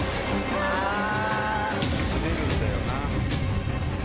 滑るんだよなぁ。